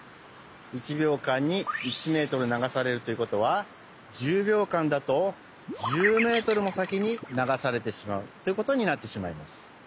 １びょうかんに１メートル流されるということは１０びょうかんだと１０メートルもさきに流されてしまうということになってしまいます。